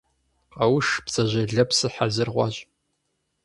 – Къэуш, бдзэжьей лэпсыр хьэзыр хъуащ.